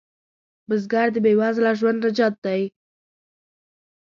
بزګر د بې وزله ژوند نجات دی